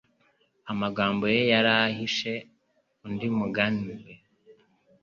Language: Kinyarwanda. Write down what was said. Amagambo ye yari ahishe undi mugambi.